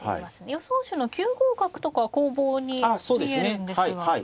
予想手の９五角とかは攻防に見えるんですが。